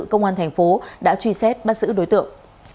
công an tp hcm đã truy xét bắt giữ đối tượng